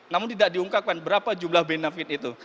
namun tidak diungkapkan berapa jumlah benefit itu